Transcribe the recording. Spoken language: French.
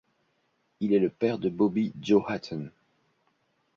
Il est le père de Bobby Joe Hatton.